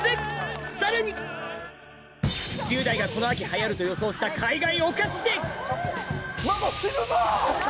さらに１０代がこの秋流行ると予想した海外お菓子でまこ死ぬぞ！